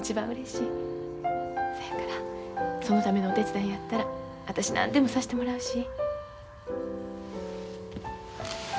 そやからそのためのお手伝いやったら私何でもさしてもらうし。